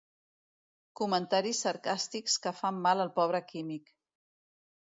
Comentaris sarcàstics que fan mal al pobre químic.